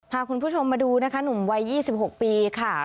พาคุณผู้ชมมาดูนะคะหนุ่มวัย๒๖ปีค่ะ